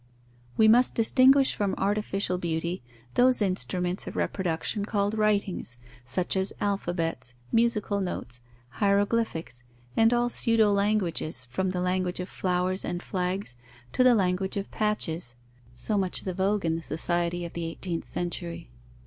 _ We must distinguish from artificial beauty those instruments of reproduction called writings, such as alphabets, musical notes, hieroglyphics, and all pseudo languages, from the language of flowers and flags, to the language of patches (so much the vogue in the society of the eighteenth century).